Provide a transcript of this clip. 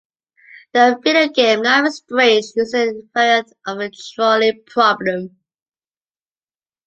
The video game "Life Is Strange" uses a variant of the trolley problem.